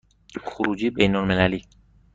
خروجی بین المللی